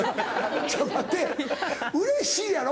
ちょっと待てうれしいやろ？